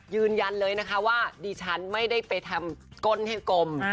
ยืนยันเลยนะคะว่าดิฉันไม่ได้ไปทำก้นให้กลม